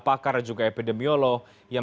pakar juga epidemiolog yang